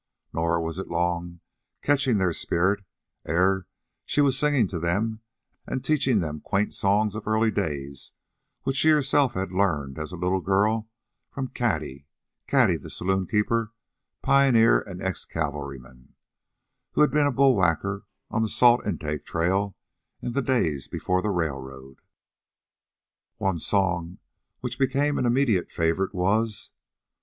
Nor was it long, catching their spirit, ere she was singing to them and teaching them quaint songs of early days which she had herself learned as a little girl from Cady Cady, the saloonkeeper, pioneer, and ex cavalryman, who had been a bull whacker on the Salt Intake Trail in the days before the railroad. One song which became an immediate favorite was: "Oh!